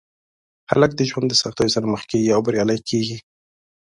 هلک د ژوند د سختیو سره مخ کېږي او بریالی کېږي.